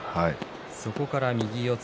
そこから右四つ